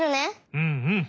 うんうん！